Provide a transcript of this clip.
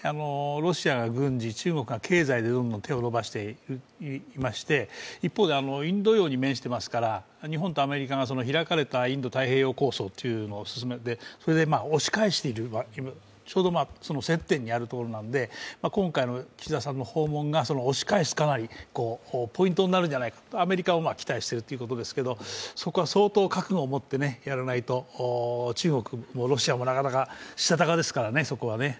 ロシアが軍事、中国が経済でどんどん手を伸ばしていまして一方でインド洋に面してますから日本とアメリカが開かれたインド太平洋構想というの進めて進めて、それで押し返しているちょうど接点にあるところなんで今回の岸田さんの訪問が押し返すポイントになるんじゃないかと、アメリカも期待しているということですけど、そこは相当覚悟を持ってやらないと中国もロシアもなかなかしたたかですからね、そこはね。